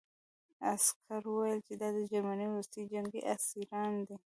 عسکر وویل چې دا د جرمني وروستي جنګي اسیران دي